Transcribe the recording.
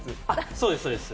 そうですそうです。